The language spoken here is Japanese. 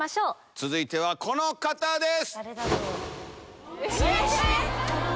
続いてはこの方です。